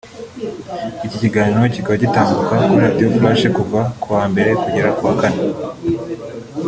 Iki kiganiro kikaba gitambuka kuri Radio Flash kuva ku wa mbere kugera ku wa kane